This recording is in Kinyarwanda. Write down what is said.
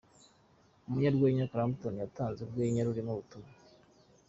Umunyarwenya Clapton yatanze urwenya rurimo ubutumwa.